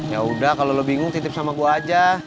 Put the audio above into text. yaudah kalau lo bingung titip sama gue aja